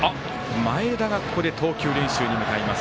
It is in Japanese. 前田が、ここで投球練習に向かいます。